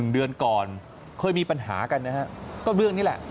๑เดือนก่อนเคยมีปัญหากันนะฮะก็เรื่องนี้แหละ